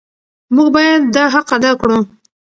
موږ باید دا حق ادا کړو.